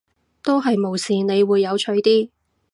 都係無視你會有趣啲